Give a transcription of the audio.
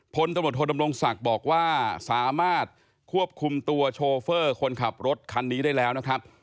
พนธรรมดธรรมรงสักบอกว่าสามารถควบคุมตัวโชเฟอร์คนขับรถคันนี้ได้แล้วนะครับ